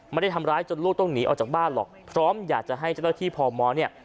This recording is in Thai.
ไม่ได้ทำร้ายจนลูกต้องหนีออกจากบ้านหรอกพร้อมอยากจะให้เจ้าหน้าที่พมเนี่ย